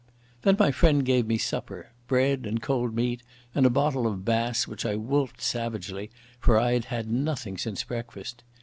Then my friend gave me supper—bread and cold meat and a bottle of Bass, which I wolfed savagely, for I had had nothing since breakfast.